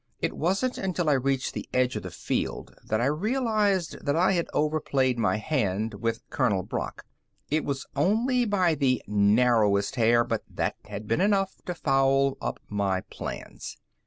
It wasn't until I reached the edge of the field that I realized that I had over played my hand with Colonel Brock. It was only by the narrowest hair, but that had been enough to foul up my plans.